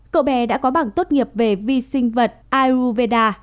cậu bé đã có bảng tốt nghiệp về vi sinh vật ayurveda